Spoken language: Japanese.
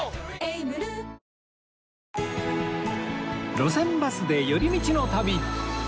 『路線バスで寄り道の旅』